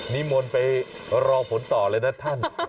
นิมนต์ไปรอผลต่อเลยนะท่าน